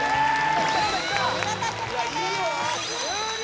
お見事クリアです終了！